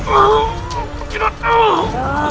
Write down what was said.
aku tidak tahu